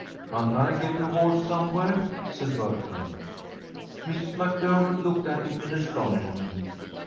"Can't I get a horse somewhere?" said Bertram. Mrs. MacDermott looked at him in astonishment.